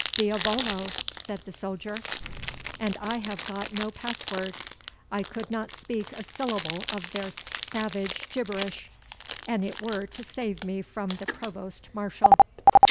"Diavolo!" said the soldier, "and I have got no pass word. I could not speak a syllable of their salvage gibberish, an it were to save me from the provost marshal."